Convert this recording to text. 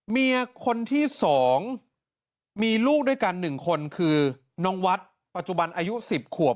เมียคนที่๒มีลูกด้วยกัน๑คนคือน้องวัดปัจจุบันอายุ๑๐ขวบ